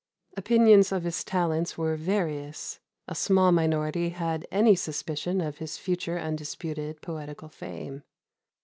Opinions of his talents were various; a small minority had any suspicion of his future undisputed poetical fame.